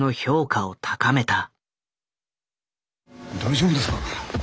大丈夫ですか。